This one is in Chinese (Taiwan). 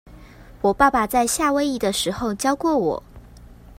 我爸爸在夏威夷的時候教過我